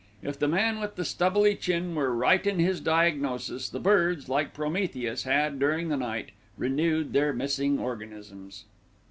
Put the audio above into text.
If the man with the stubbly chin were right in his diagnosis, the birds, like Prometheus, had, during the night, renewed their missing organisms.